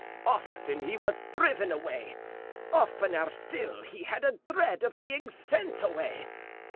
Often he was driven away, oftener still had he a dread of being sent away.